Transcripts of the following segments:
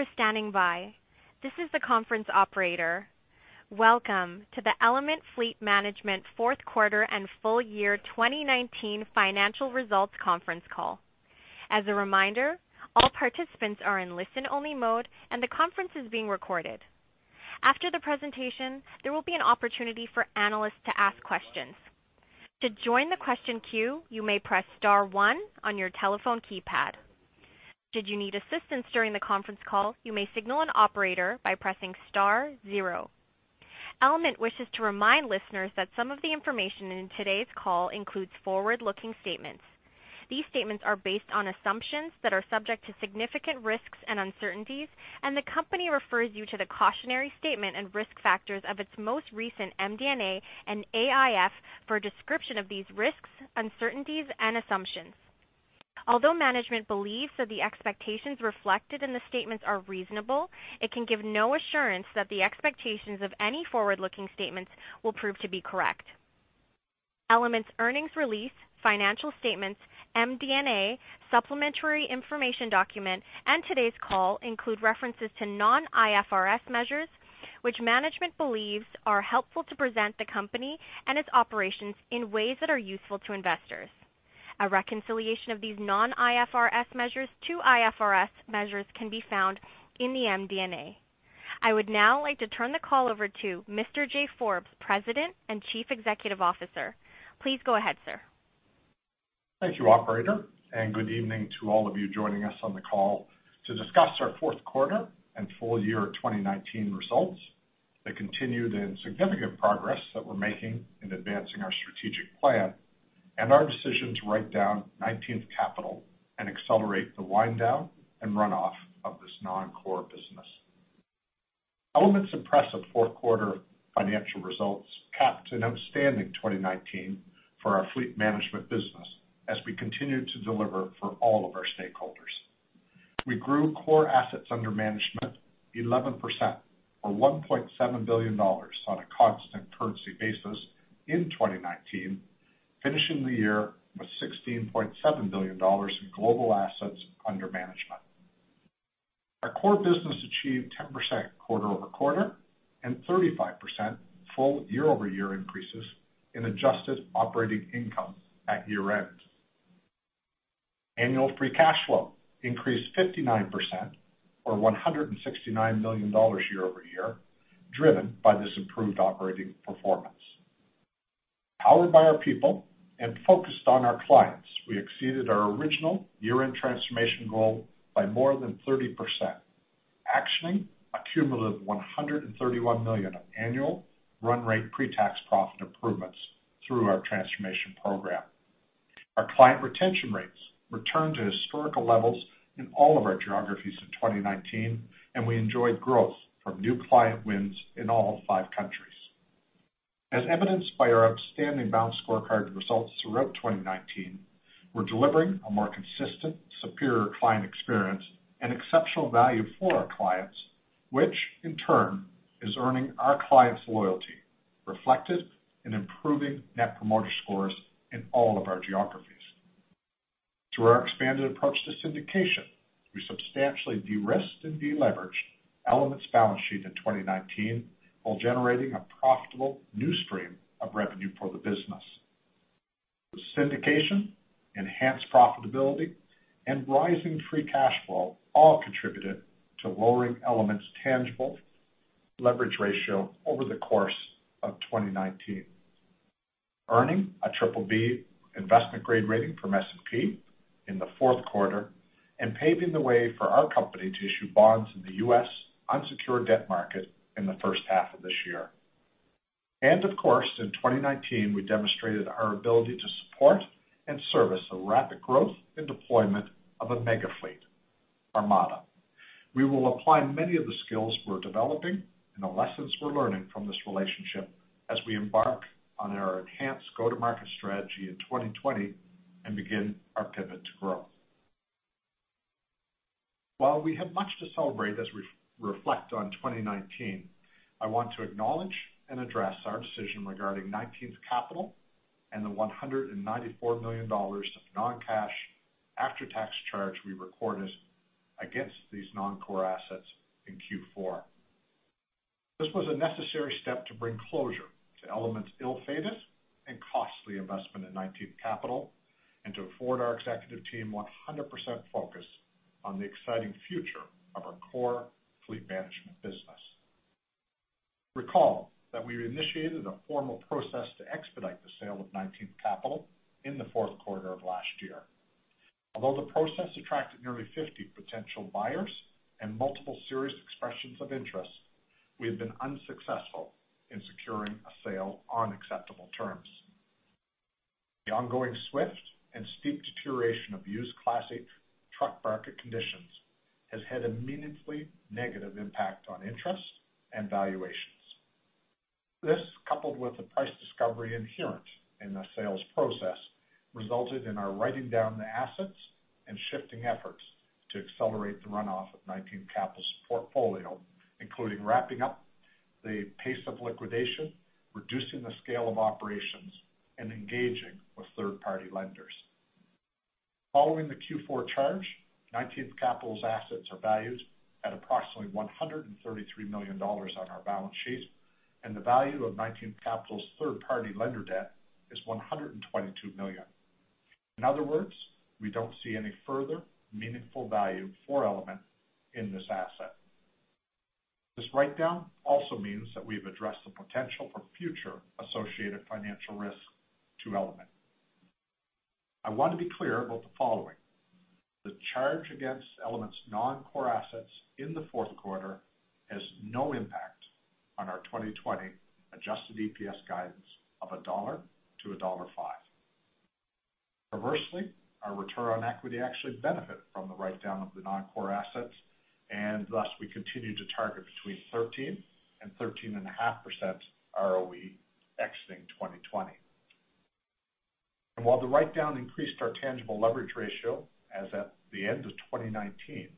Thank you for standing by. This is the conference operator. Welcome to the Element Fleet Management Q4 and full year 2019 financial results conference call. As a reminder, all participants are in listen-only mode, and the conference is being recorded. After the presentation, there will be an opportunity for analysts to ask questions. To join the question queue, you may press star one on your telephone keypad. Should you need assistance during the conference call, you may signal an operator by pressing star zero. Element wishes to remind listeners that some of the information in today's call includes forward-looking statements. These statements are based on assumptions that are subject to significant risks and uncertainties, and the company refers you to the cautionary statement and risk factors of its most recent MD&A and AIF for a description of these risks, uncertainties, and assumptions. Although management believes that the expectations reflected in the statements are reasonable, it can give no assurance that the expectations of any forward-looking statements will prove to be correct. Element's earnings release, financial statements, MD&A, supplementary information document, and today's call include references to non-IFRS measures, which management believes are helpful to present the company and its operations in ways that are useful to investors. A reconciliation of these non-IFRS measures to IFRS measures can be found in the MD&A. I would now like to turn the call over to Mr. Jay Forbes, President and Chief Executive Officer. Please go ahead, sir. Thank you, operator, good evening to all of you joining us on the call to discuss our Q4 and full year 2019 results that continued in significant progress that we're making in advancing our strategic plan and our decision to write down 19th Capital and accelerate the wind down and run off of this non-core business. Element's impressive Q4 financial results capped an outstanding 2019 for our fleet management business as we continued to deliver for all of our stakeholders. We grew core assets under management 11%, or 1.7 billion dollars on a constant currency basis in 2019, finishing the year with 16.7 billion dollars in global assets under management. Our core business achieved 10% quarter-over-quarter and 35% full year-over-year increases in adjusted operating income at year-end. Annual free cash flow increased 59%, or 169 million dollars year-over-year, driven by this improved operating performance. Powered by our people and focused on our clients, we exceeded our original year-end Transformation Goal by more than 30%, actioning a cumulative 131 million of annual run rate pre-tax profit improvements through our Transformation Program. Our client retention rates returned to historical levels in all of our geographies in 2019, and we enjoyed growth from new client wins in all five countries. As evidenced by our outstanding balance scorecard results throughout 2019, we're delivering a more consistent, superior client experience and exceptional value for our clients, which in turn is earning our clients' loyalty, reflected in improving Net Promoter Scores in all of our geographies. Through our expanded approach to syndication, we substantially de-risked and de-leveraged Element's balance sheet in 2019 while generating a profitable new stream of revenue for the business. Syndication, enhanced profitability, and rising free cash flow all contributed to lowering Element's tangible leverage ratio over the course of 2019, earning a BBB investment grade rating from S&P in the Q4 and paving the way for our company to issue bonds in the U.S. unsecured debt market in the H1 of this year. Of course, in 2019, we demonstrated our ability to support and service a rapid growth in deployment of a mega fleet, Armada. We will apply many of the skills we're developing and the lessons we're learning from this relationship as we embark on our enhanced go-to-market strategy in 2020 and begin our pivot to growth. While we have much to celebrate as we reflect on 2019, I want to acknowledge and address our decision regarding 19th Capital and the 194 million dollars of non-cash after-tax charge we recorded against these non-core assets in Q4. This was a necessary step to bring closure to Element's ill-fated and costly investment in 19th Capital and to afford our executive team 100% focus on the exciting future of our core fleet management business. Recall that we initiated a formal process to expedite the sale of 19th Capital in the Q4 of last year. Although the process attracted nearly 50 potential buyers and multiple serious expressions of interest, we have been unsuccessful in securing a sale on acceptable terms. The ongoing swift and steep deterioration of used classic truck market conditions has had a meaningfully negative impact on interest and valuations. This, coupled with the price discovery inherent in the sales process, resulted in our writing down the assets and shifting efforts to accelerate the runoff of 19th Capital's portfolio, including wrapping up the pace of liquidation, reducing the scale of operations, and engaging with third-party lenders. Following the Q4 charge, 19th Capital's assets are valued at approximately 133 million dollars on our balance sheet, and the value of 19th Capital's third-party lender debt is 122 million. In other words, we don't see any further meaningful value for Element in this asset. This write-down also means that we've addressed the potential for future associated financial risk to Element. I want to be clear about the following. The charge against Element's non-core assets in the Q4 has no impact on our 2020 adjusted EPS guidance of CAD 1.00 to dollar 1.50. Conversely, our return on equity actually benefit from the write-down of the non-core assets, and thus, we continue to target between 13% and 13.5% ROE exiting 2020. While the write-down increased our tangible leverage ratio as at the end of 2019,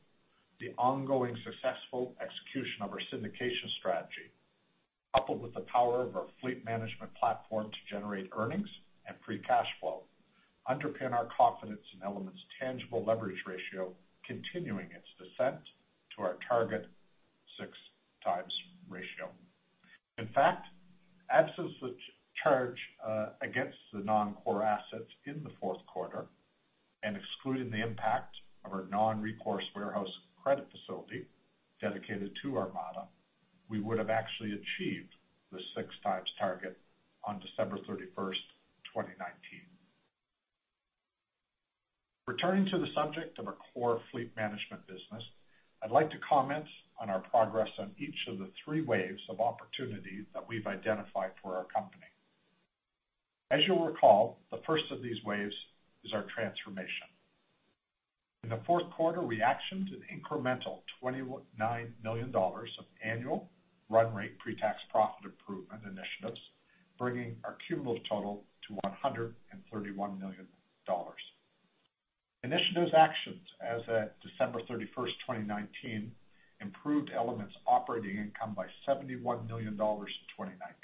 the ongoing successful execution of our syndication strategy, coupled with the power of our Element Fleet Management platform to generate earnings and free cash flow, underpin our confidence in Element's tangible leverage ratio continuing its descent to our target six times ratio. In fact, absence of charge against the non-core assets in the Q4, and excluding the impact of our non-recourse warehouse credit facility dedicated to Armada, we would have actually achieved the six times target on December 31st, 2019. Returning to the subject of our core fleet management business, I'd like to comment on our progress on each of the three waves of opportunity that we've identified for our company. As you'll recall, the first of these waves is our Transformation. In the Q4, we actioned an incremental 29 million dollars of annual run rate pre-tax profit improvement initiatives, bringing our cumulative total to 131 million dollars. Initiatives actions as at December 31st, 2019, improved Element's operating income by 71 million dollars in 2019,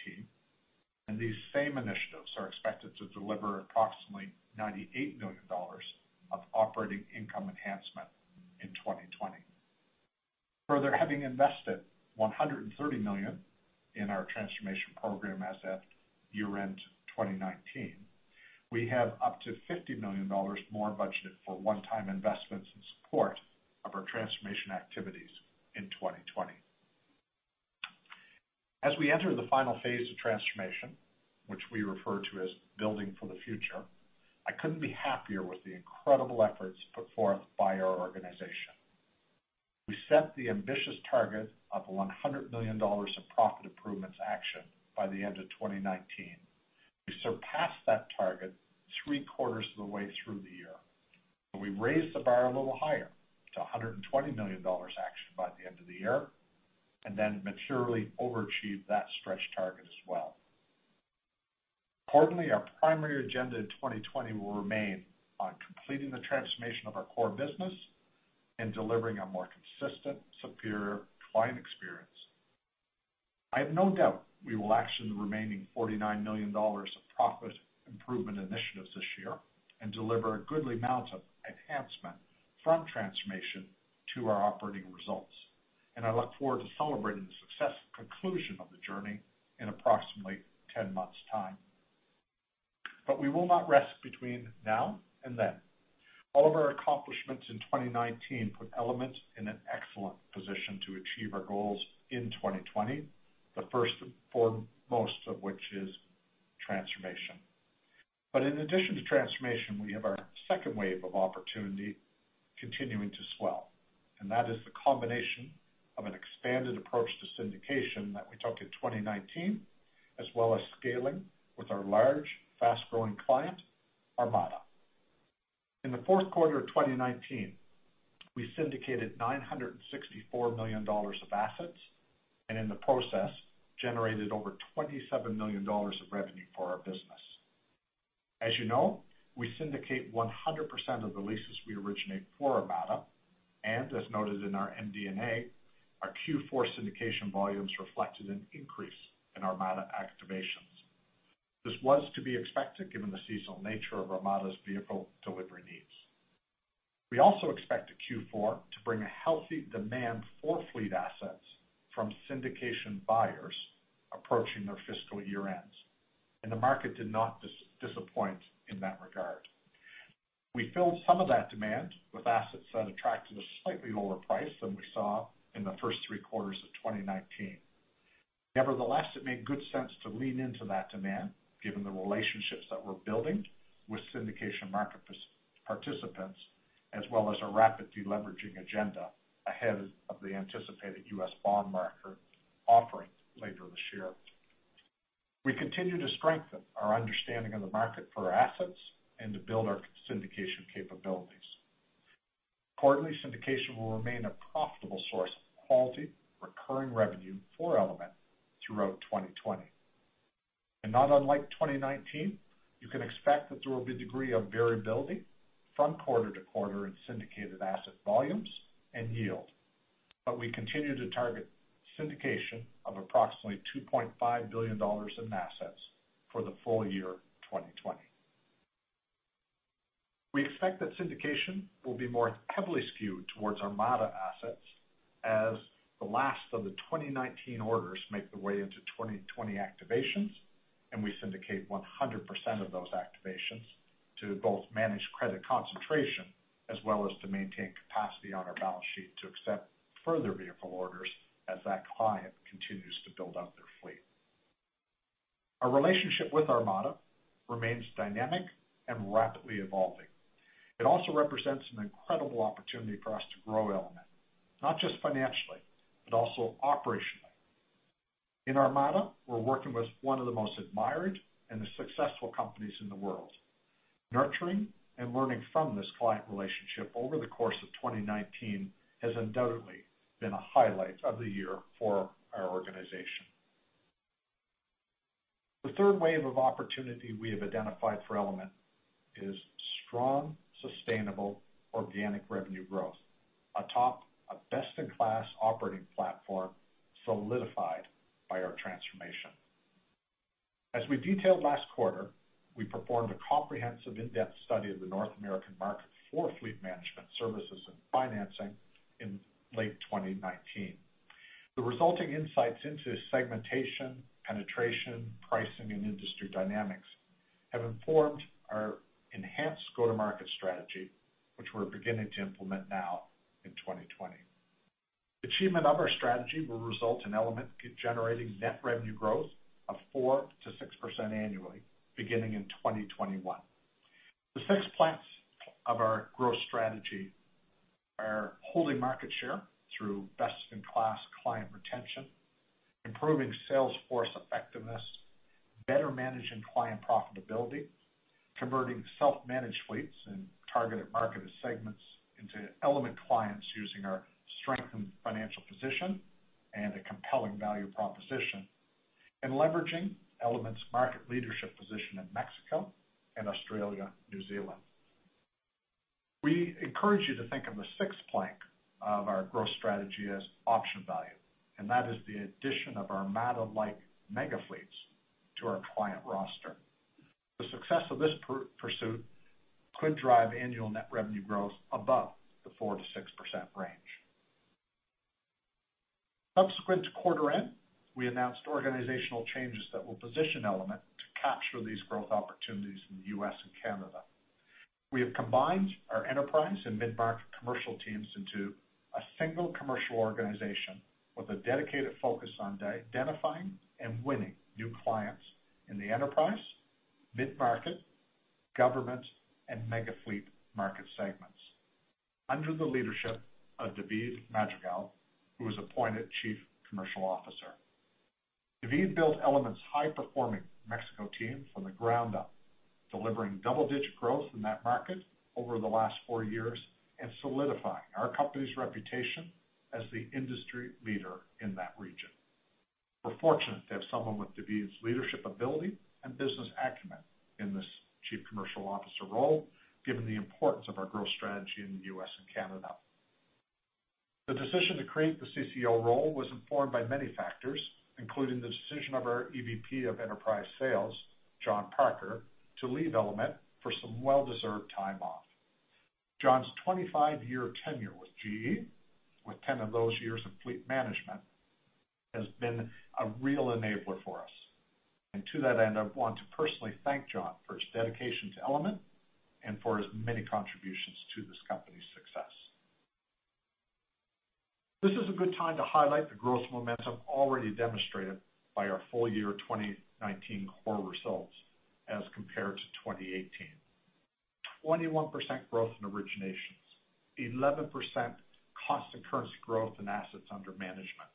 and these same initiatives are expected to deliver approximately 98 million dollars of operating income enhancement in 2020. Having invested 130 million in our Transformation program as at year-end 2019, we have up to 50 million dollars more budgeted for one-time investments in support of our Transformation activities in 2020. As we enter the final phase of transformation, which we refer to as building for the future, I couldn't be happier with the incredible efforts put forth by our organization. We set the ambitious target of 100 million dollars of profit improvements action by the end of 2019. We surpassed that target three quarters of the way through the year, and we raised the bar a little higher to 120 million dollars actioned by the end of the year, and then maturely overachieved that stretch target as well. Importantly, our primary agenda in 2020 will remain on completing the transformation of our core business and delivering a more consistent, superior client experience. I have no doubt we will action the remaining 49 million dollars of profit improvement initiatives this year and deliver a goodly amount of enhancement from transformation to our operating results. I look forward to celebrating the success conclusion of the journey in approximately 10 months' time. We will not rest between now and then. All of our accomplishments in 2019 put Element in an excellent position to achieve our goals in 2020, the first and foremost of which is transformation. In addition to transformation, we have our second wave of opportunity continuing to swell, and that is the combination of an expanded approach to syndication that we took in 2019, as well as scaling with our large, fast-growing client, Armada. In the Q4 of 2019, we syndicated 964 million dollars of assets, and in the process, generated over 27 million dollars of revenue for our business. As you know, we syndicate 100% of the leases we originate for Armada, and as noted in our MD&A, our Q4 syndication volumes reflected an increase in Armada activations. This was to be expected given the seasonal nature of Armada's vehicle delivery needs. We also expected Q4 to bring a healthy demand for fleet assets from syndication buyers approaching their fiscal year-ends, and the market did not disappoint in that regard. We filled some of that demand with assets that attracted a slightly lower price than we saw in the first three quarters of 2019. Nevertheless, it made good sense to lean into that demand given the relationships that we're building with syndication market participants, as well as our rapid de-leveraging agenda ahead of the anticipated U.S. bond market offering later this year. We continue to strengthen our understanding of the market for assets and to build our syndication capabilities. Accordingly, syndication will remain a profitable source of quality recurring revenue for Element throughout 2020. Not unlike 2019, you can expect that there will be a degree of variability from quarter to quarter in syndicated asset volumes and yield. We continue to target syndication of approximately 2.5 billion dollars in assets for the full year 2020. We expect that syndication will be more heavily skewed towards Armada assets as the last of the 2019 orders make their way into 2020 activations, and we syndicate 100% of those activations to both manage credit concentration as well as to maintain capacity on our balance sheet to accept further vehicle orders as that client continues to build out their fleet. Our relationship with Armada remains dynamic and rapidly evolving. It also represents an incredible opportunity for us to grow Element, not just financially, but also operationally. In Armada, we're working with one of the most admired and the successful companies in the world. Nurturing and learning from this client relationship over the course of 2019 has undoubtedly been a highlight of the year for our organization. The third wave of opportunity we have identified for Element is strong, sustainable, organic revenue growth atop a best-in-class operating platform solidified by our transformation. As we detailed last quarter, we performed a comprehensive, in-depth study of the North American market for fleet management services and financing in late 2019. The resulting insights into segmentation, penetration, pricing, and industry dynamics have informed our enhanced go-to-market strategy, which we're beginning to implement now in 2020. Achievement of our strategy will result in Element generating net revenue growth of 4%-6% annually beginning in 2021. The six planks of our growth strategy are holding market share through best-in-class client retention, improving sales force effectiveness, better managing client profitability, converting self-managed fleets and targeted marketed segments into Element clients using our strengthened financial position and a compelling value proposition, and leveraging Element's market leadership position in Mexico and Australia, New Zealand. We encourage you to think of the sixth plank of our growth strategy as option value, and that is the addition of Armada-like mega fleets to our client roster. The success of this pursuit could drive annual net revenue growth above the 4%-6% range. Subsequent to quarter end, we announced organizational changes that will position Element to capture these growth opportunities in the U.S. and Canada. We have combined our enterprise and mid-market commercial teams into a single commercial organization with a dedicated focus on identifying and winning new clients in the enterprise, mid-market, government, and mega fleet market segments under the leadership of David Madrigal, who was appointed Chief Commercial Officer. David built Element's high-performing Mexico team from the ground up, delivering double-digit growth in that market over the last four years and solidifying our company's reputation as the industry leader in that region. We're fortunate to have someone with David's leadership ability and business acumen in this Chief Commercial Officer role, given the importance of our growth strategy in the U.S. and Canada. The decision to create the CCO role was informed by many factors, including the decision of our Executive Vice President of enterprise sales, John Parker, to leave Element for some well-deserved time off. John's 25-year tenure with GE, with 10 of those years in fleet management, has been a real enabler for us. To that end, I want to personally thank John for his dedication to Element and for his many contributions to this company's success. This is a good time to highlight the growth momentum already demonstrated by our full year 2019 core results as compared to 2018. 21% growth in originations, 11% constant currency growth in assets under management,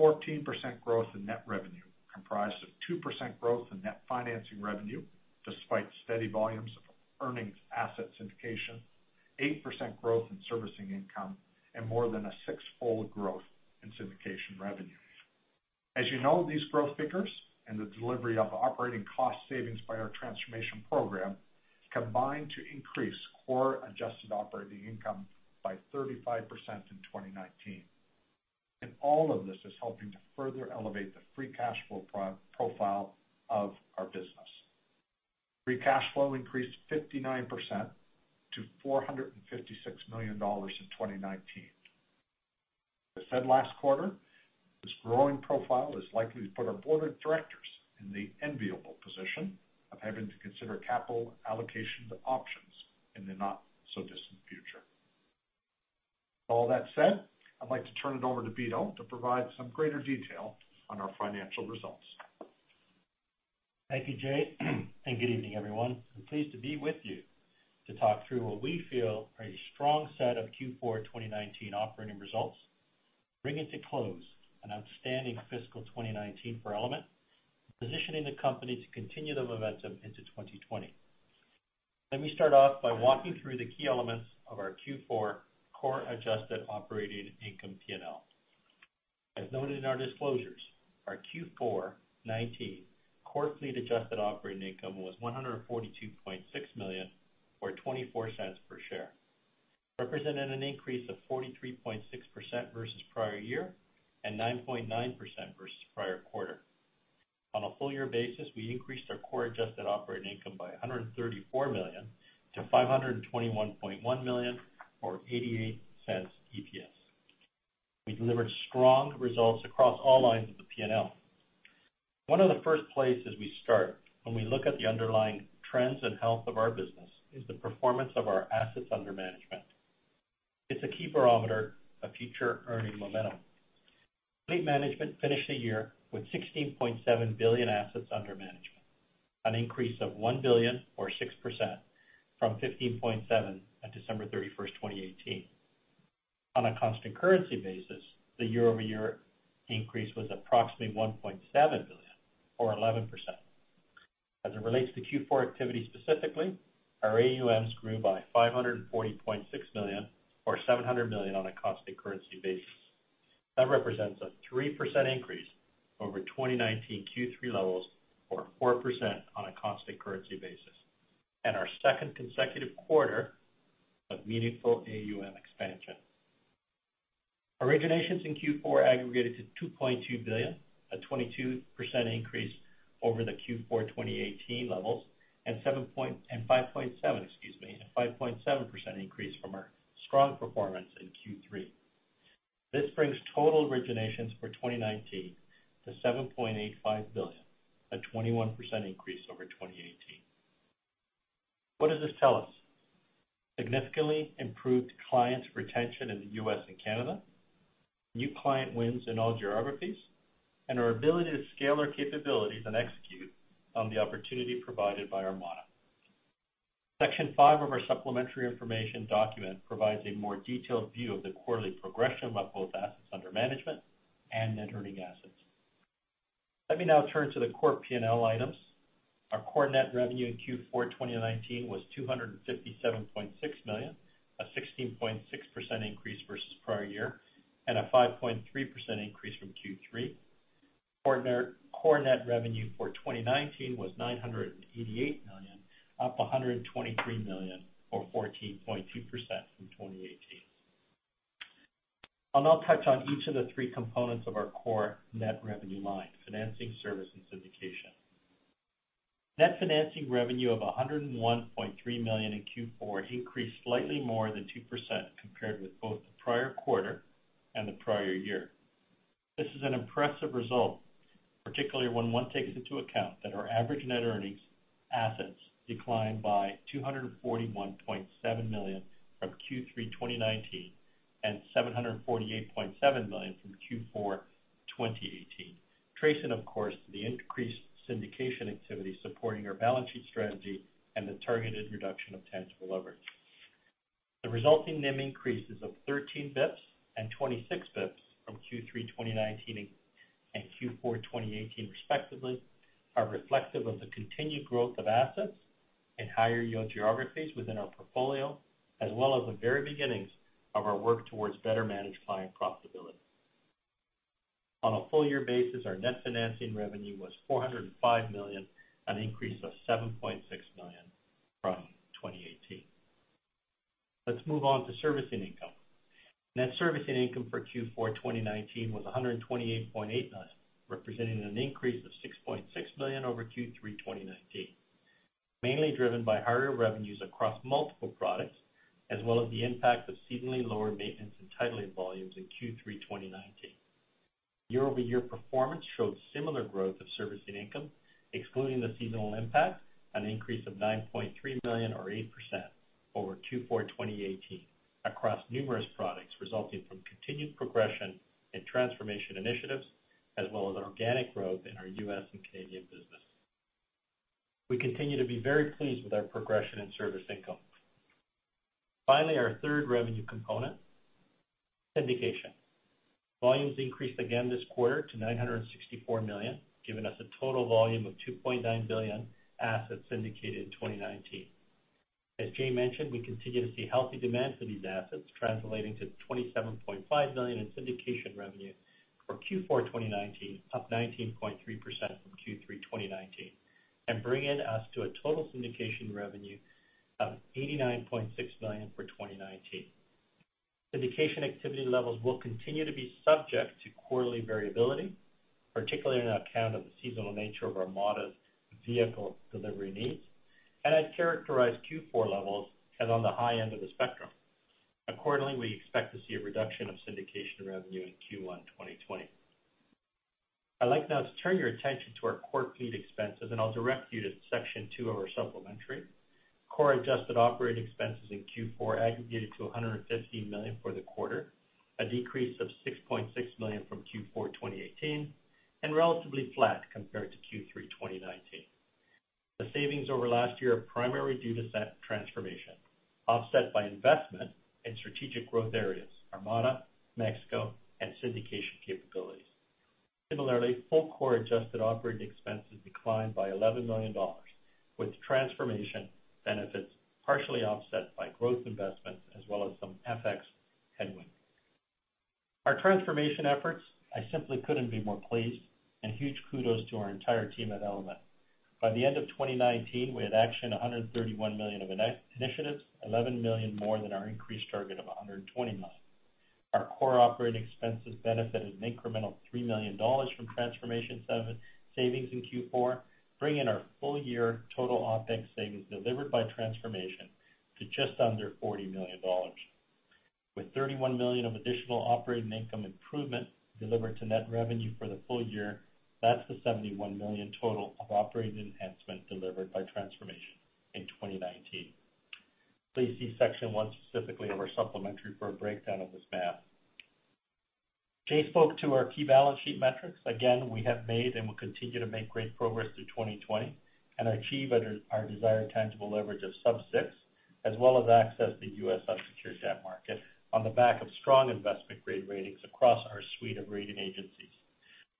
14% growth in net revenue, comprised of 2% growth in net financing revenue despite steady volumes of earnings asset syndication, 8% growth in servicing income, and more than a six-fold growth in syndication revenue. As you know, these growth figures and the delivery of operating cost savings by our transformation program combined to increase core adjusted operating income by 35% in 2019. All of this is helping to further elevate the free cash flow profile of our business. Free cash flow increased 59% to 456 million dollars in 2019. I said last quarter, this growing profile is likely to put our board of directors in the enviable position of having to consider capital allocation options in the not-so-distant future. All that said, I'd like to turn it over to Vito to provide some greater detail on our financial results. Thank you, Jay. Good evening, everyone. I'm pleased to be with you to talk through what we feel are a strong set of Q4 2019 operating results, bringing to close an outstanding fiscal 2019 for Element, positioning the company to continue the momentum into 2020. Let me start off by walking through the key elements of our Q4 core adjusted operating income P&L. As noted in our disclosures, our Q4 2019 core fleet adjusted operating income was 142.6 million, or 0.24 per share. Representing an increase of 43.6% versus prior year, and 9.9% versus prior quarter. On a full year basis, we increased our core adjusted operating income by 134 million to 521.1 million, or 0.88 EPS. We delivered strong results across all lines of the P&L. One of the first places we start when we look at the underlying trends and health of our business is the performance of our assets under management. It's a key barometer of future earning momentum. Element Fleet Management finished the year with 16.7 billion assets under management, an increase of 1 billion or 6% from 15.7 billion on December 31, 2018. On a constant currency basis, the year-over-year increase was approximately 1.7 billion, or 11%. As it relates to Q4 activity specifically, our AUMs grew by 540.6 million or 700 million on a constant currency basis. That represents a 3% increase over 2019 Q3 levels or 4% on a constant currency basis, and our second consecutive quarter of meaningful AUM expansion. Originations in Q4 aggregated to 2.2 billion, a 22% increase over the Q4 2018 levels, and 5.7% increase from our strong performance in Q3. This brings total originations for 2019 to 7.85 billion, a 21% increase over 2018. What does this tell us? Significantly improved client retention in the U.S. and Canada, new client wins in all geographies, and our ability to scale our capabilities and execute on the opportunity provided by Armada. Section five of our supplementary information document provides a more detailed view of the quarterly progression of both assets under management and net earning assets. Let me now turn to the core P&L items. Our core net revenue in Q4 2019 was 257.6 million, a 16.6% increase versus prior year, and a 5.3% increase from Q3. Core net revenue for 2019 was 988 million, up 123 million or 14.2% from 2018. I'll now touch on each of the three components of our core net revenue line: financing, service, and syndication. Net financing revenue of 101.3 million in Q4 increased slightly more than 2% compared with both the prior quarter and the prior year. This is an impressive result, particularly when one takes into account that our average net earnings assets declined by 241.7 million from Q3 2019 and 748.7 million from Q4 2018. Tracing, of course, the increased syndication activity supporting our balance sheet strategy and the targeted reduction of tangible leverage. The resulting NIM increases of 13 basis points and 26 basis points from Q3 2019 and Q4 2018 respectively, are reflective of the continued growth of assets in higher yield geographies within our portfolio, as well as the very beginnings of our work towards better managed client profitability. On a full year basis, our net financing revenue was 405 million, an increase of 7.6 million from 2018. Let's move on to servicing income. Net servicing income for Q4 2019 was 128.8, representing an increase of 6.6 million over Q3 2019. Mainly driven by higher revenues across multiple products, as well as the impact of seasonally lower maintenance and titling volumes in Q3 2019. Year-over-year performance showed similar growth of servicing income, excluding the seasonal impact, an increase of 9.3 million or 8% over Q4 2018 across numerous products, resulting from continued progression in transformation initiatives, as well as organic growth in our U.S. and Canadian business. We continue to be very pleased with our progression in service income. Finally, our third revenue component, syndication. Volumes increased again this quarter to 964 million, giving us a total volume of 2.9 billion assets syndicated in 2019. As Jay mentioned, we continue to see healthy demand for these assets, translating to 27.5 million in syndication revenue for Q4 2019, up 19.3% from Q3 2019, and bringing us to a total syndication revenue of 89.6 million for 2019. Syndication activity levels will continue to be subject to quarterly variability, particularly on account of the seasonal nature of Armada's vehicle delivery needs, and I'd characterize Q4 levels as on the high end of the spectrum. Accordingly, we expect to see a reduction of syndication revenue in Q1 2020. I'd like now to turn your attention to our core fleet expenses, and I'll direct you to section two of our supplementary. Core adjusted operating expenses in Q4 aggregated to 115 million for the quarter, a decrease of 6.6 million from Q4 2018, and relatively flat compared to Q3 2019. The savings over last year are primarily due to set transformation, offset by investment in strategic growth areas, Armada, Mexico, and syndication capabilities. Similarly, full core adjusted operating expenses declined by 11 million dollars, with transformation benefits partially offset by growth investments, as well as some FX headwind. Our transformation efforts, I simply couldn't be more pleased, and huge kudos to our entire team at Element. By the end of 2019, we had actioned 131 million of initiatives, 11 million more than our increased target of 120 million. Our core operating expenses benefited an incremental 3 million dollars from transformation savings in Q4, bringing our full year total OPEX savings delivered by transformation to just under 40 million dollars. With 31 million of additional operating income improvement delivered to net revenue for the full year, that's the 71 million total of operating enhancement delivered by transformation in 2019. Please see section one specifically of our supplementary for a breakdown of this math. Jay spoke to our key balance sheet metrics. We have made and will continue to make great progress through 2020 and achieve our desired tangible leverage of sub six, as well as access the U.S. unsecured debt market on the back of strong investment-grade ratings across our suite of rating agencies.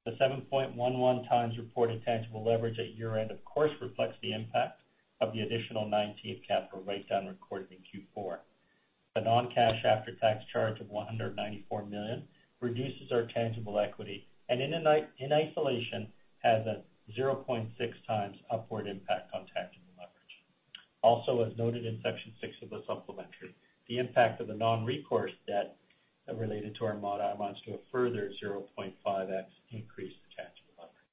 The 7.11 times reported tangible leverage at year-end, of course, reflects the impact of the additional 19th Capital writedown recorded in Q4. The non-cash after-tax charge of 194 million reduces our tangible equity, and in isolation, has a 0.6 times upward impact on tangible leverage. As noted in section six of the supplementary, the impact of the non-recourse debt related to Armada amounts to a further 0.5x increase in tangible leverage.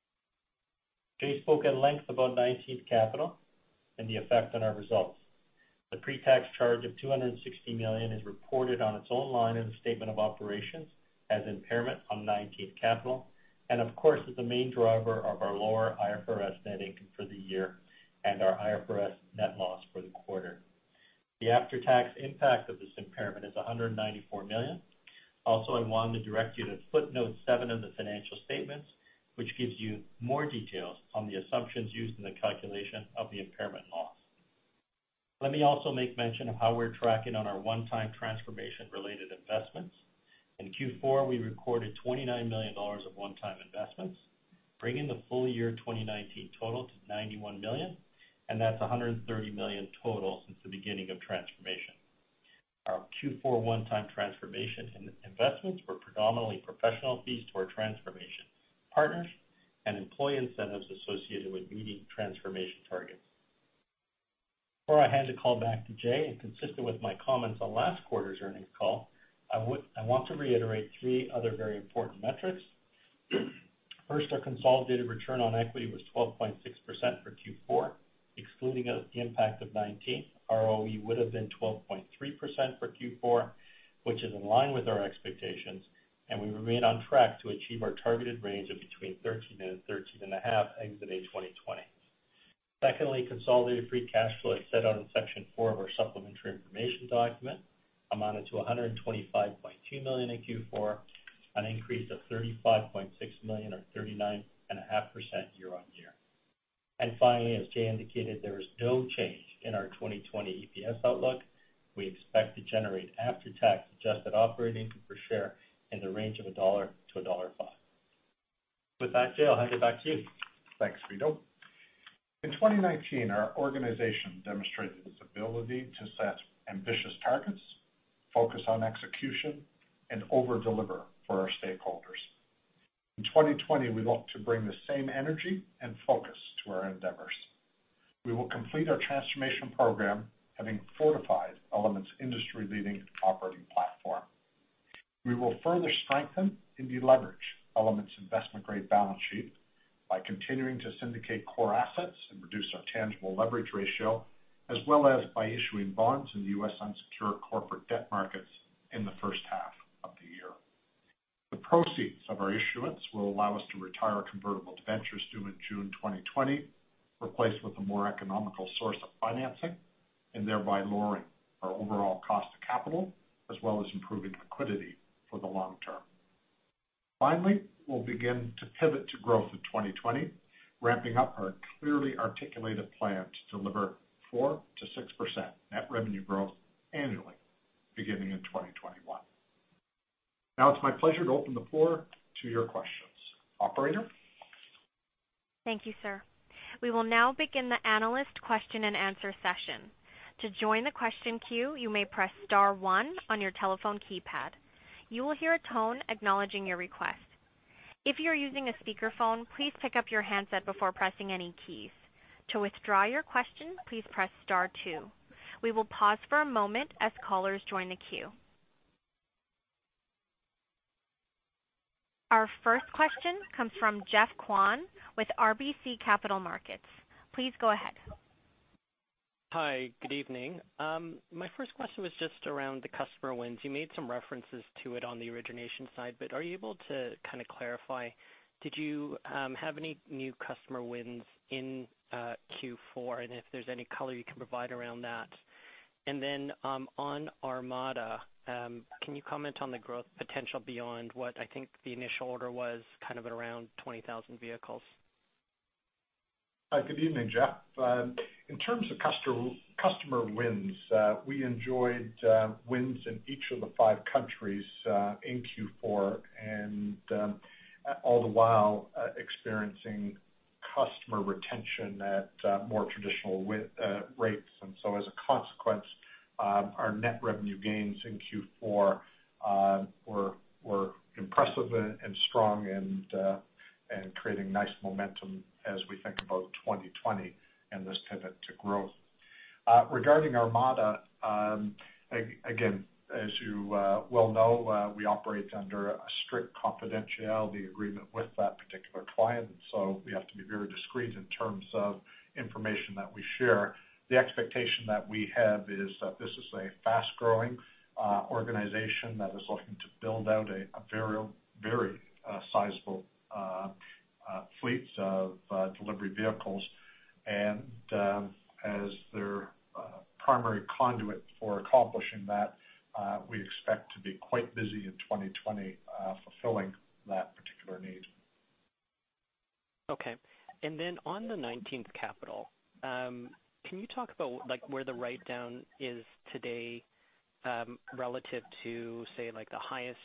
Jay spoke at length about 19th Capital and the effect on our results. The pre-tax charge of 260 million is reported on its own line in the statement of operations as impairment on 19th Capital, and of course, is the main driver of our lower IFRS net income for the year and our IFRS net loss for the quarter. The after-tax impact of this impairment is 194 million. Also, I want to direct you to footnote seven of the financial statements, which gives you more details on the assumptions used in the calculation of the impairment loss. Let me also make mention of how we're tracking on our one-time transformation-related investments. In Q4, we recorded 29 million dollars of one-time investments, bringing the full year 2019 total to 91 million, and that's 130 million total since the beginning of transformation. Our Q4 one-time transformation investments were predominantly professional fees to our transformation partners and employee incentives associated with meeting transformation targets. Before I hand the call back to Jay, and consistent with my comments on last quarter's earnings call, I want to reiterate three other very important metrics. First, our consolidated return on equity was 12.6% for Q4. Excluding the impact of 19th, ROE would have been 12.3% for Q4, which is in line with our expectations, and we remain on track to achieve our targeted range of between 13% and 13.5% exiting 2020. Secondly, consolidated free cash flow, as set out in section four of our supplementary information document, amounted to 125.2 million in Q4, an increase of 35.6 million or 39.5% year-on-year. Finally, as Jay indicated, there is no change in our 2020 EPS outlook. We expect to generate after-tax adjusted operating EPS in the range of 1-1.5 dollar. With that, Jay, I'll hand it back to you. Thanks, Vito. In 2019, our organization demonstrated its ability to set ambitious targets, focus on execution, and over-deliver for our stakeholders. In 2020, we look to bring the same energy and focus to our endeavors. We will complete our transformation program, having fortified Element's industry-leading operating platform. We will further strengthen and deleverage Element's investment-grade balance sheet by continuing to syndicate core assets and reduce our tangible leverage ratio, as well as by issuing bonds in the U.S. unsecured corporate debt markets in the H1 of the year. The proceeds of our issuance will allow us to retire convertible debentures due in June 2020, replaced with a more economical source of financing, and thereby lowering our overall cost of capital, as well as improving liquidity for the long term. Finally, we'll begin to pivot to growth in 2020, ramping up our clearly articulated plan to deliver 4%-6% net revenue growth annually, beginning in 2021. Now it's my pleasure to open the floor to your questions. Operator? Thank you, sir. We will now begin the analyst question and answer session. To join the question queue, you may press star one on your telephone keypad. You will hear a tone acknowledging your request. If you're using a speakerphone, please pick up your handset before pressing any keys. To withdraw your question, please press star two. We will pause for a moment as callers join the queue. Our first question comes from Geof Kwan with RBC Capital Markets. Please go ahead. Hi. Good evening. My first question was just around the customer wins. You made some references to it on the origination side, but are you able to kind of clarify, did you have any new customer wins in Q4? If there's any color you can provide around that. On Armada, can you comment on the growth potential beyond what I think the initial order was kind of at around 20,000 vehicles? Hi, good evening, Geof. In terms of customer wins, we enjoyed wins in each of the five countries in Q4 and all the while experiencing customer retention at more traditional rates. As a consequence, our net revenue gains in Q4 were impressive and strong and creating nice momentum as we think about 2020 and this pivot to growth. Regarding Armada, again, as you well know, we operate under a strict confidentiality agreement with that particular client. We have to be very discreet in terms of information that we share. The expectation that we have is that this is a fast-growing organization that is looking to build out a very sizable fleets of delivery vehicles. As their primary conduit for accomplishing that, we expect to be quite busy in 2020 fulfilling that particular need. Okay. Then on the 19th Capital, can you talk about where the write-down is today, relative to, say, the highest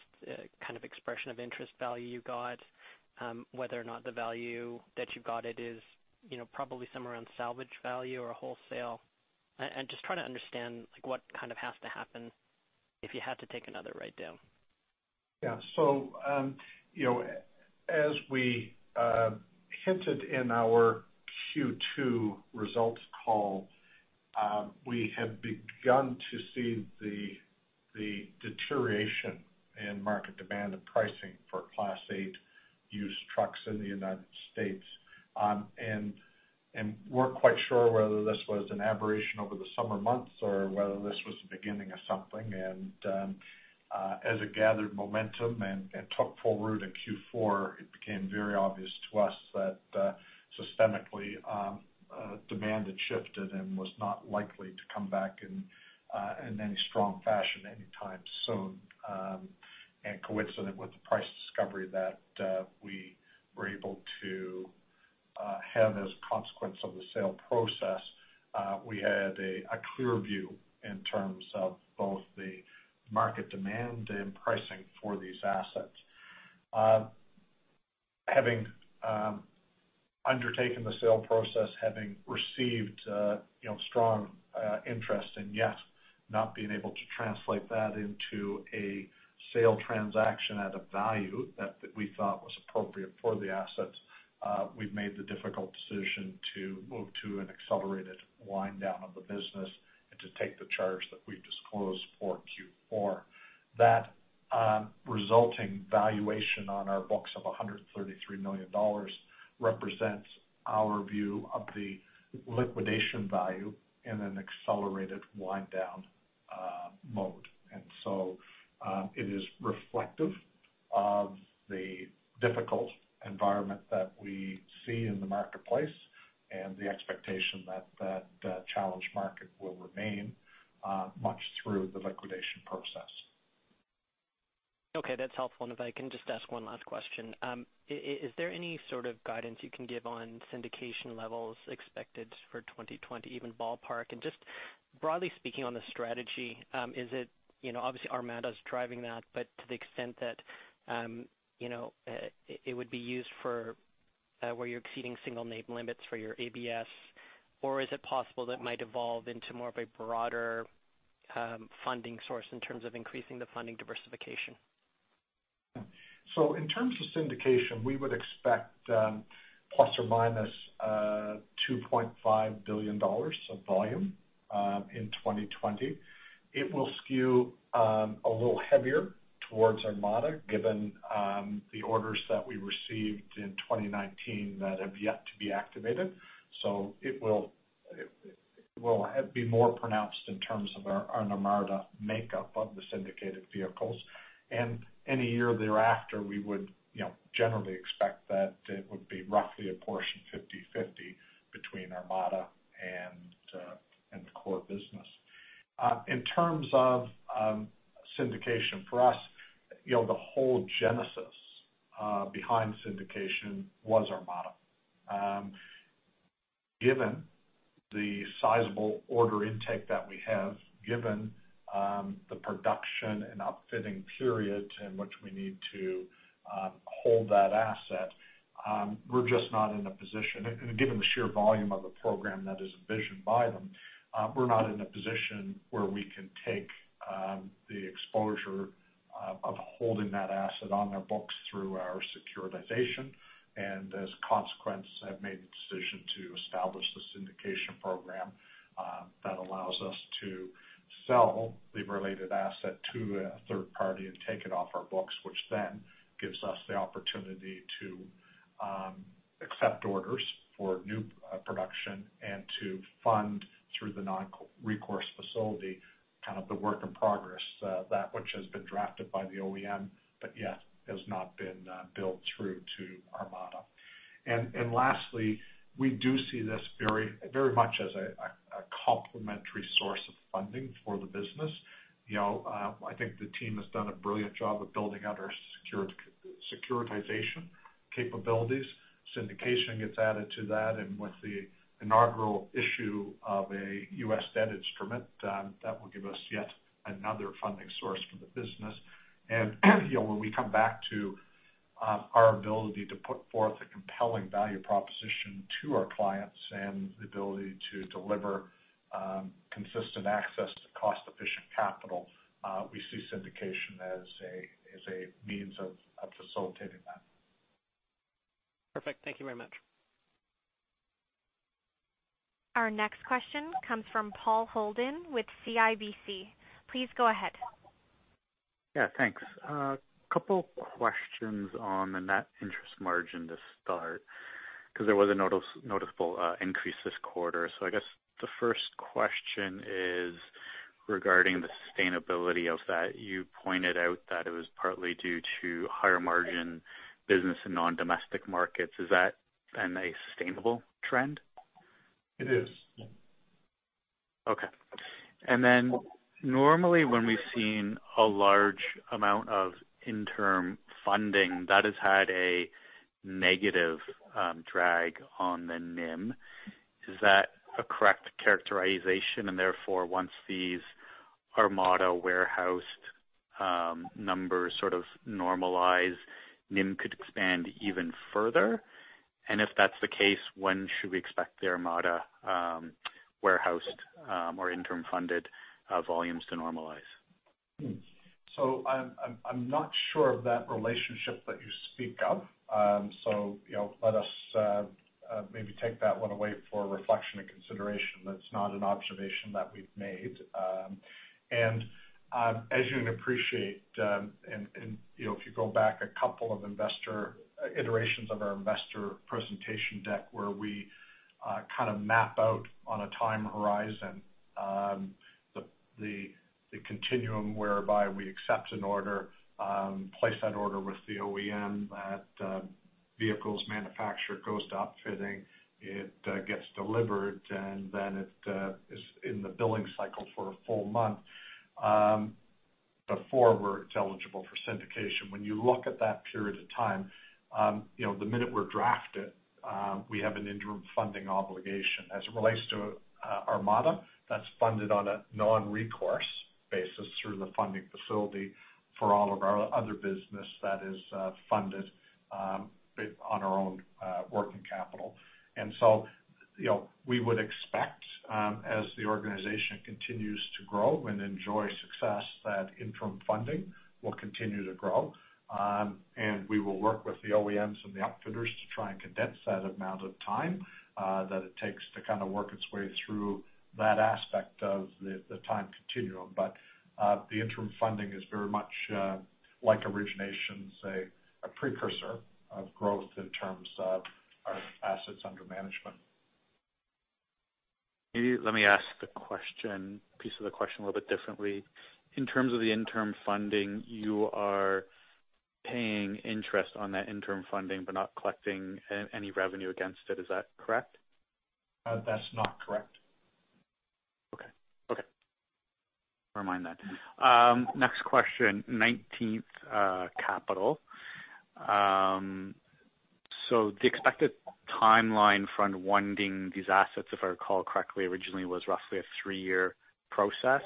kind of expression of interest value you got, whether or not the value that you got it is probably somewhere around salvage value or wholesale. Just trying to understand what has to happen if you had to take another write-down. Yeah. As we hinted in our Q2 results call, we have begun to see the deterioration in market demand and pricing for Class 8 used trucks in the U.S. We're quite sure whether this was an aberration over the summer months or whether this was the beginning of something. As it gathered momentum and took full root in Q4, it became very obvious to us that systemically, demand had shifted and was not likely to come back in any strong fashion anytime soon. Coincident with the price discovery that we were able to have as a consequence of the sale process, we had a clear view in terms of both the market demand and pricing for these assets. Having undertaken the sale process, having received strong interest and yet not being able to translate that into a sale transaction at a value that we thought was appropriate for the assets, we've made the difficult decision to move to an accelerated wind down of the business and to take the charge that we disclosed for Q4. That resulting valuation on our books of 133 million dollars represents our view of the liquidation value in an accelerated wind down mode. It is reflective of the difficult environment that we see in the marketplace and the expectation that that challenged market will remain much through the liquidation process. Okay. That's helpful. If I can just ask one last question. Is there any sort of guidance you can give on syndication levels expected for 2020, even ballpark? Just broadly speaking on the strategy, obviously Armada's driving that, but to the extent that it would be used for where you're exceeding single name limits for your ABS, or is it possible that it might evolve into more of a broader funding source in terms of increasing the funding diversification? In terms of syndication, we would expect ±2.5 billion dollars of volume in 2020. It will skew a little heavier towards Armada, given the orders that we received in 2019 that have yet to be activated. It will be more pronounced in terms of our Armada makeup of the syndicated vehicles. Any year thereafter, we would generally expect that it would be roughly a portion 50/50 between Armada and the core business. In terms of syndication for us, the whole genesis behind syndication was Armada. Given the sizable order intake that we have, given the production and outfitting period in which we need to hold that asset, and given the sheer volume of the program that is envisioned by them, we're not in a position where we can take the exposure of holding that asset on our books through our securitization. As a consequence, have made the decision to establish the syndication program that allows us to sell the related asset to a third party and take it off our books, which then gives us the opportunity to accept orders for new production and to fund through the non-recourse facility, kind of the work in progress, that which has been drafted by the OEM, but yet has not been built through to Armada. Lastly, we do see this very much as a complementary source of funding for the business. I think the team has done a brilliant job of building out our securitization capabilities. Syndication gets added to that, and with the inaugural issue of a U.S. debt instrument, that will give us yet another funding source for the business. When we come back to our ability to put forth a compelling value proposition to our clients and the ability to deliver consistent access to cost-efficient capital, we see syndication as a means of facilitating that. Perfect. Thank you very much. Our next question comes from Paul Holden with CIBC. Please go ahead. Yeah, thanks. Couple questions on the net interest margin to start, because there was a noticeable increase this quarter. I guess the first question is regarding the sustainability of that. You pointed out that it was partly due to higher margin business in non-domestic markets. Is that a sustainable trend? It is. Okay. Normally when we've seen a large amount of interim funding, that has had a negative drag on the NIM. Is that a correct characterization, and therefore, once these Armada warehoused numbers sort of normalize, NIM could expand even further? If that's the case, when should we expect the Armada warehoused or interim funded volumes to normalize? I'm not sure of that relationship that you speak of. Let us maybe take that one away for reflection and consideration. That's not an observation that we've made. As you'd appreciate, and if you go back a couple of iterations of our investor presentation deck, where we kind of map out on a time horizon the continuum whereby we accept an order, place that order with the OEM. That vehicle's manufactured, goes to upfitting, it gets delivered, and then it is in the billing cycle for a full month before we're eligible for syndication. When you look at that period of time, the minute we're drafted, we have an interim funding obligation. As it relates to Armada, that's funded on a non-recourse basis through the funding facility for all of our other business that is funded on our own working capital. We would expect, as the organization continues to grow and enjoy success, that interim funding will continue to grow. We will work with the OEMs and the upfitters to try and condense that amount of time that it takes to kind of work its way through that aspect of the time continuum. The interim funding is very much like origination, say, a precursor of growth in terms of our assets under management. Maybe let me ask the piece of the question a little bit differently. In terms of the interim funding, you are paying interest on that interim funding but not collecting any revenue against it. Is that correct? That's not correct. Okay. Never mind then. Next question. 19th Capital. The expected timeline for unwinding these assets, if I recall correctly, originally was roughly a three-year process.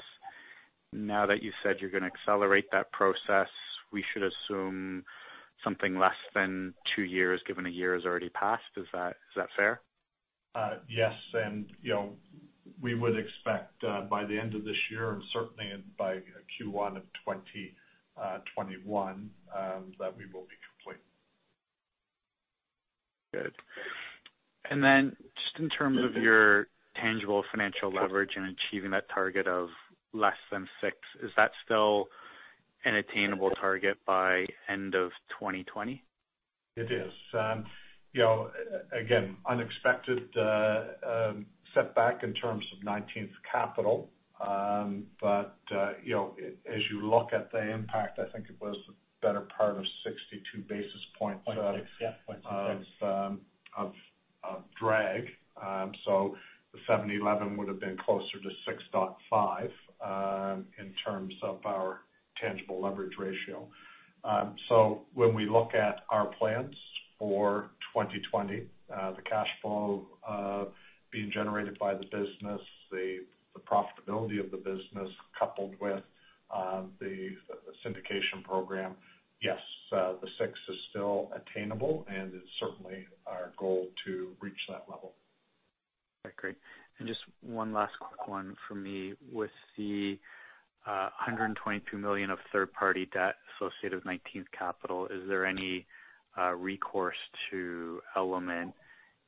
Now that you said you're going to accelerate that process, we should assume something less than two years, given one year has already passed. Is that fair? Yes. We would expect by the end of this year, and certainly by Q1 of 2021, that we will be complete. Good. Just in terms of your tangible financial leverage and achieving that target of less than six, is that still an attainable target by end of 2020? It is. Again, unexpected setback in terms of 19th Capital. As you look at the impact, I think it was the better part of 62 basis points. 0.6, yeah of drag. The 711 would have been closer to 6.5 in terms of our tangible leverage ratio. When we look at our plans for 2020, the cash flow being generated by the business, the profitability of the business coupled with the syndication program. Yes. The six is still attainable, and it's certainly our goal to reach that level. Okay, great. Just one last quick one from me. With the 122 million of third-party debt associated with 19th Capital, is there any recourse to Element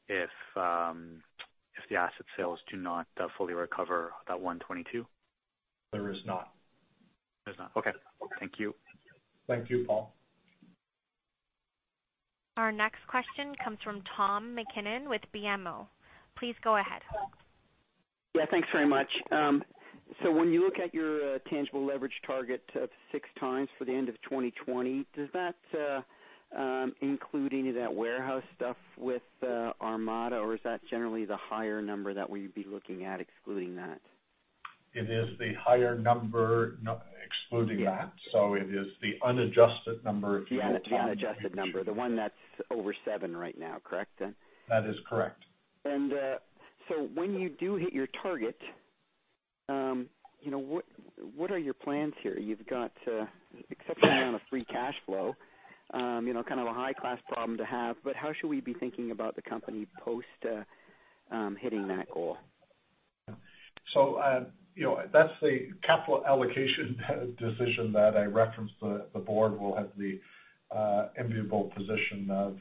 if the asset sales do not fully recover that 122? There is not. There's not. Okay. Thank you. Thank you, Paul. Our next question comes from Tom MacKinnon with BMO. Please go ahead. Yeah, thanks very much. When you look at your tangible leverage target of six times for the end of 2020, does that include any of that warehouse stuff with Armada, or is that generally the higher number that we'd be looking at excluding that? It is the higher number excluding that. Yeah. It is the unadjusted number if you will, Tom. The unadjusted number, the one that's over seven right now, correct then? That is correct. When you do hit your target, what are your plans here? You've got exceptional amount of free cash flow, kind of a high class problem to have, how should we be thinking about the company post hitting that goal? That's the capital allocation decision that I referenced the board will have the enviable position of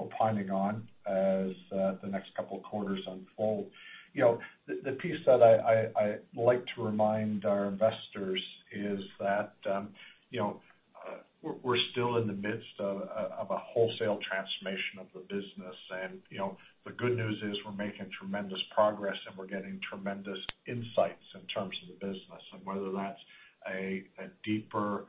opining on as the next couple of quarters unfold. The piece that I like to remind our investors is that we're still in the midst of a wholesale transformation of the business. The good news is we're making tremendous progress, and we're getting tremendous insights in terms of the business. Whether that's a deeper,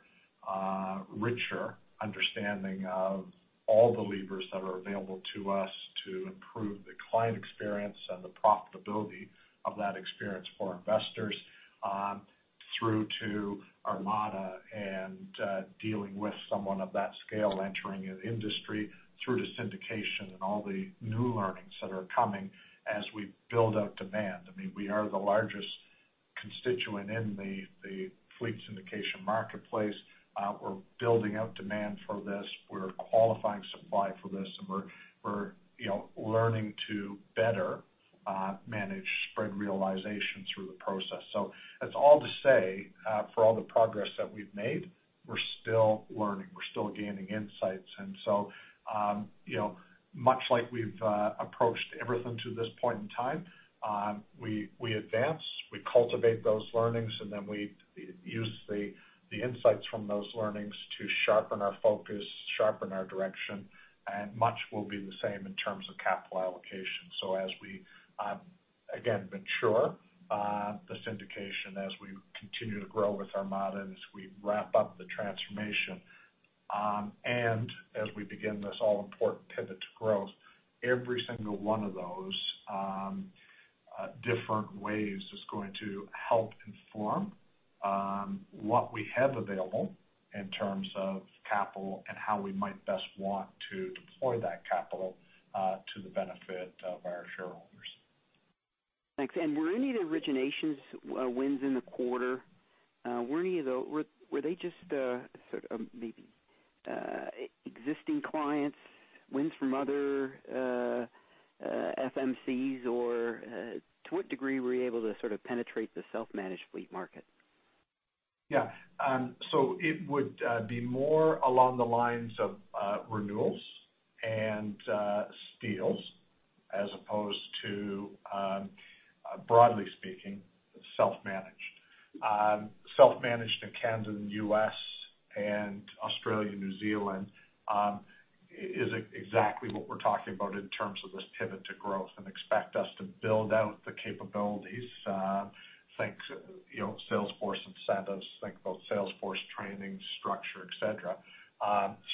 richer understanding of all the levers that are available to us to improve the client experience and the profitability of that experience for investors, through to Armada and dealing with someone of that scale entering an industry, through to syndication and all the new learnings that are coming as we build out demand. I mean, we are the largest constituent in the fleet syndication marketplace. We're building out demand for this. We're qualifying supply for this, and we're learning to better manage spread realization through the process. That's all to say, for all the progress that we've made, we're still learning, we're still gaining insights. Much like we've approached everything to this point in time, we advance, we cultivate those learnings, and then we use the insights from those learnings to sharpen our focus, sharpen our direction, and much will be the same in terms of capital allocation. As we, again, mature the syndication, as we continue to grow with Armada, and as we wrap up the transformation, and as we begin this all-important pivot to growth, every single one of those different ways is going to help inform what we have available in terms of capital and how we might best want to deploy that capital, to the benefit of our shareholders. Thanks. Were any of the originations wins in the quarter, were they just sort of maybe existing clients, wins from other FMCs, or to what degree were you able to sort of penetrate the self-managed fleet market? Yeah. It would be more along the lines of renewals and steals as opposed to, broadly speaking, self-managed. Self-managed in Canada and U.S. and Australia, New Zealand, is exactly what we're talking about in terms of this pivot to growth and expect us to build out the capabilities. Think salesforce incentives, think about salesforce training structure, et cetera,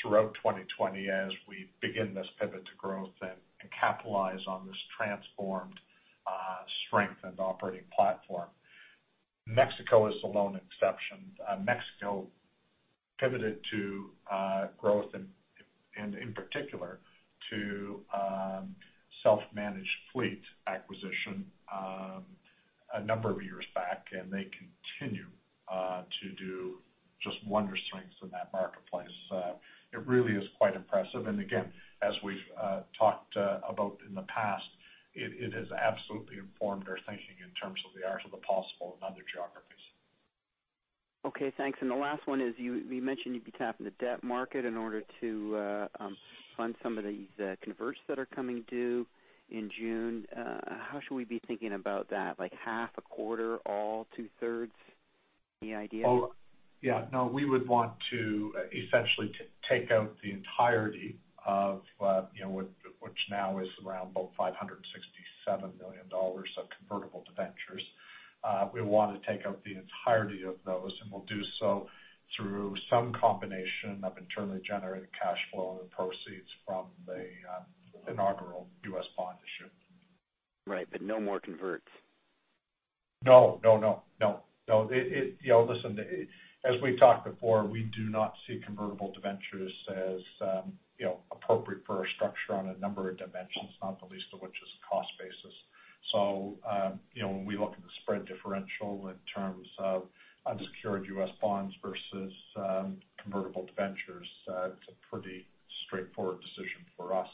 throughout 2020 as we begin this pivot to growth and capitalize on this transformed, strengthened operating platform. Mexico is the lone exception. Mexico pivoted to growth, and in particular, to self-managed fleet acquisition a number of years back, and they continue to do just wondrous things in that marketplace. It really is quite impressive. Again, as we've talked about in the past, it has absolutely informed our thinking in terms of the art of the possible in other geographies. Okay, thanks. The last one is, you mentioned you'd be tapping the debt market in order to fund some of these converts that are coming due in June. How should we be thinking about that? Like half, a quarter, all, two-thirds? Any idea? We would want to essentially take out the entirety of which now is about 567 million dollars of convertible debentures. We want to take out the entirety of those, we'll do so through some combination of internally generated cash flow and the proceeds from the inaugural U.S. bond issue. Right. No more converts. No. Listen, as we've talked before, we do not see convertible debentures as appropriate for our structure on a number of dimensions, not the least of which is cost basis. When we look at the spread differential in terms of unsecured U.S. bonds versus convertible debentures, it's a pretty straightforward decision for us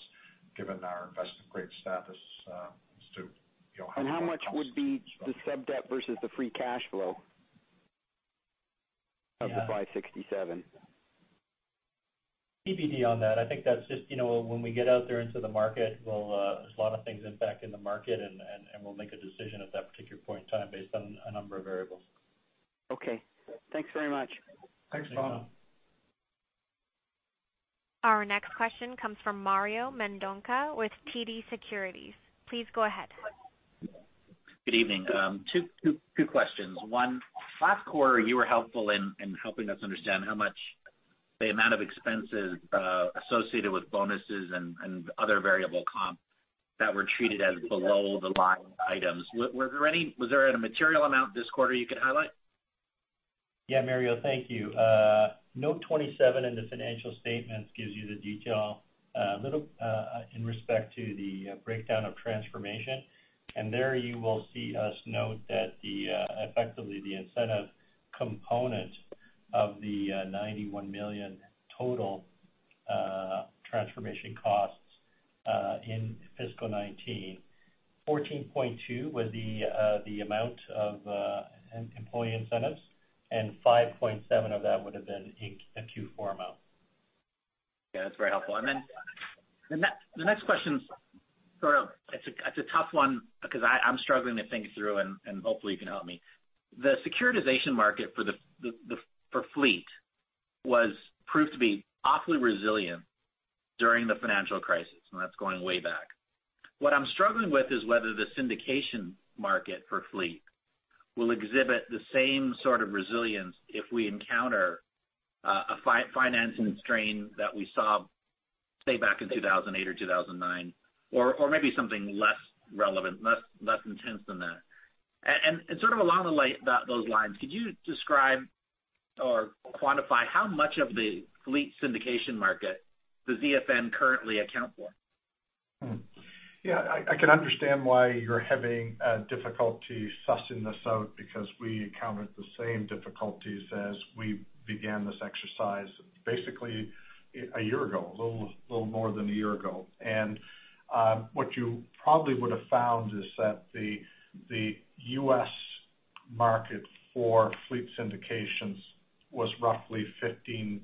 given our investor grade status to have that cost structure. how much would be the sub-debt versus the free cash flow of the 567? TBD on that. I think that's just when we get out there into the market, there's a lot of things impacting the market, and we'll make a decision at that particular point in time based on a number of variables. Okay. Thanks very much. Thanks, Tom. Our next question comes from Mario Mendonca with TD Securities. Please go ahead. Good evening. Two questions. One, last quarter, you were helpful in helping us understand how much the amount of expenses associated with bonuses and other variable comp that were treated as below the line items. Was there a material amount this quarter you could highlight? Yeah, Mario, thank you. Note 27 in the financial statements gives you the detail, a little in respect to the breakdown of transformation. There you will see us note that effectively, the incentive component of the 91 million total transformation costs in fiscal 2019, 14.2 was the amount of employee incentives, and 5.7 of that would've been a Q4 amount. Yeah, that's very helpful. Then the next question, it's a tough one because I'm struggling to think it through, and hopefully you can help me. The securitization market for fleet proved to be awfully resilient during the financial crisis, now that's going way back. What I'm struggling is whether the syndication market for fleet will exhibit the same sort of resilience if we encounter a financing strain that we saw, say, back in 2008 or 2009, or maybe something less relevant, less intense than that. Sort of along those lines, could you describe or quantify how much of the fleet syndication market does EFM currently account for? Yeah, I can understand why you're having difficulty sussing this out because we encountered the same difficulties as we began this exercise basically a year ago, a little more than a year ago. What you probably would've found is that the U.S. market for fleet syndications was roughly $15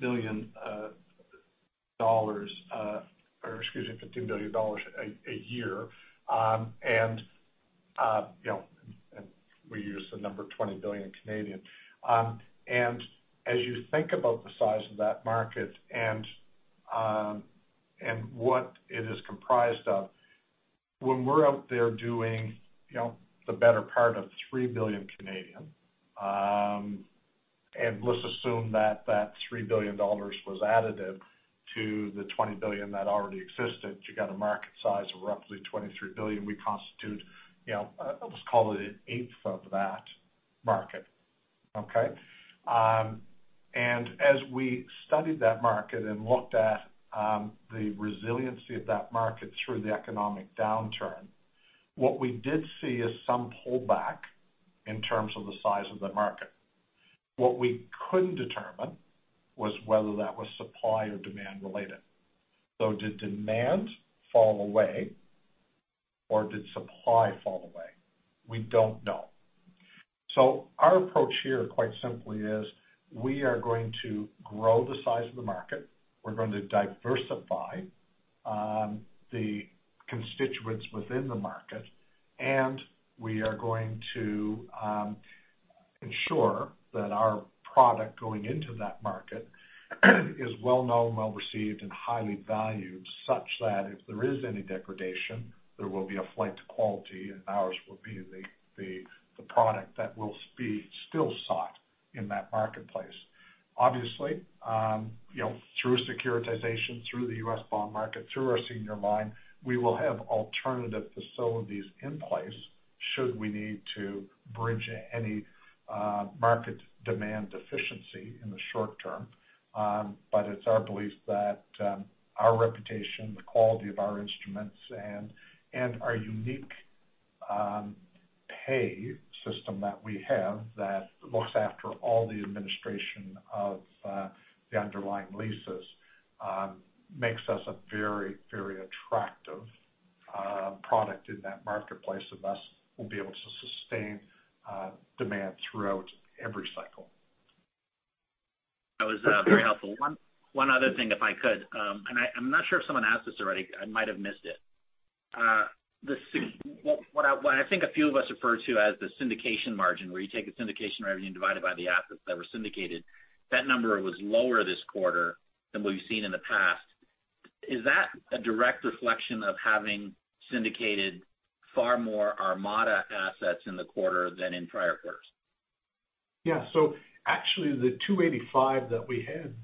billion a year. We use the number CAD 20 billion. As you think about the size of that market and what it is comprised of, when we're out there doing the better part of 3 billion, let's assume that that 3 billion dollars was additive to the 20 billion that already existed, you got a market size of roughly 23 billion. We constitute, let's call it an eighth of that market. Okay? As we studied that market and looked at the resiliency of that market through the economic downturn, what we did see is some pullback in terms of the size of the market. What we couldn't determine was whether that was supply or demand related. Did demand fall away or did supply fall away? We don't know. Our approach here, quite simply, is we are going to grow the size of the market. We're going to diversify the constituents within the market, and we are going to ensure that our product going into that market is well-known, well-received, and highly valued, such that if there is any degradation, there will be a flight to quality and ours will be the product that will be still sought in that marketplace. Obviously, through securitization, through the U.S. bond market, through our senior line, we will have alternative facilities in place should we need to bridge any market demand deficiency in the short term. It's our belief that our reputation, the quality of our instruments, and our unique pay system that we have that looks after all the administration of the underlying leases makes us a very attractive product in that marketplace, and thus we'll be able to sustain demand throughout every cycle. That was very helpful. One other thing, if I could. I'm not sure if someone asked this already. I might have missed it. What I think a few of us refer to as the syndication margin, where you take the syndication revenue divided by the assets that were syndicated. That number was lower this quarter than we've seen in the past. Is that a direct reflection of having syndicated far more Armada assets in the quarter than in prior quarters? Actually, the 285 that we had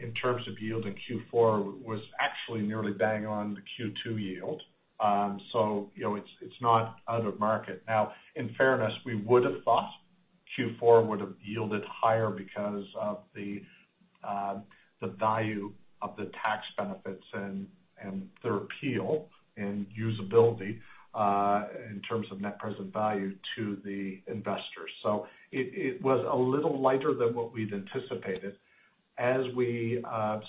in terms of yield in Q4 was actually nearly bang on the Q2 yield. It's not out of market. Now, in fairness, we would've thought Q4 would've yielded higher because of the value of the tax benefits and their appeal and usability in terms of net present value to the investors. It was a little lighter than what we'd anticipated. As we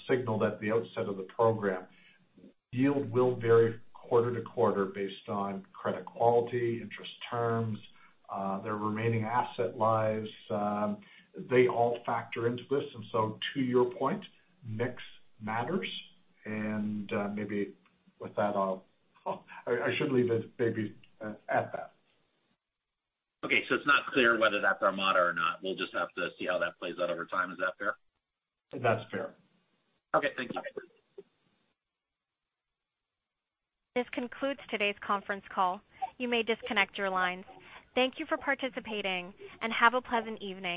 signaled at the outset of the program, yield will vary quarter-to-quarter based on credit quality, interest terms, their remaining asset lives. They all factor into this, and so to your point, mix matters, and maybe with that, I should leave it maybe at that. Okay, it's not clear whether that's Armada or not. We'll just have to see how that plays out over time. Is that fair? That's fair. Okay, thanks. This concludes today's conference call. You may disconnect your lines. Thank you for participating and have a pleasant evening.